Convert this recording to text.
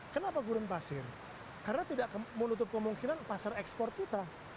kenapa gurun pasir karena tidak menutup kemungkinan pasar ekspor kita